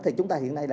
thì chúng ta hiện nay